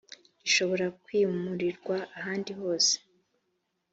gishobora kwimurirwa ahandi hose